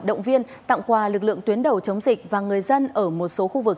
động viên tặng quà lực lượng tuyến đầu chống dịch và người dân ở một số khu vực